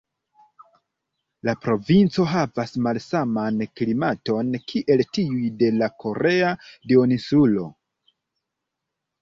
La provinco havas malsaman klimaton kiel tiuj de la korea duoninsulo.